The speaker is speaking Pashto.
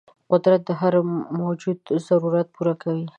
قدرت د هر موجود ضرورت پوره کوي.